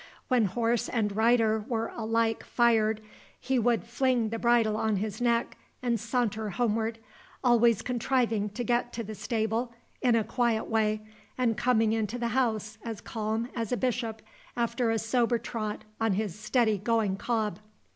When horse and rider were alike fired, he would fling the bridle on his neck and saunter homeward, always contriving to get to the stable in a quiet way, and coming into the house as calm as a bishop after a sober trot on his steady going cob.